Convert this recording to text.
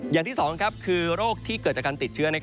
อย่างที่๒คือโรคที่เกิดจากการติดเชื้อ